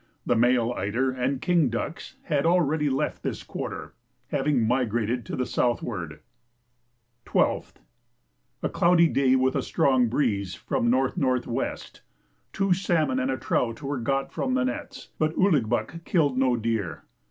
The male eider and king ducks had already left this quarter, having migrated to the southward. 12th. A cloudy day with a strong breeze from N.N.W. Two salmon and a trout were got from the nets, but Ouligbuck killed no deer.